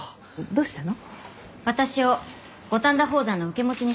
どうしたの？